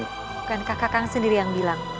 bukan kakak sendiri yang bilang